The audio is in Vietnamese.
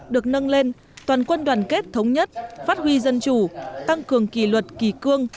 được nâng lên toàn quân đoàn kết thống nhất phát huy dân chủ tăng cường kỳ luật kỳ cương